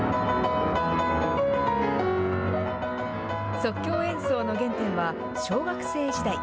即興演奏の原点は小学生時代。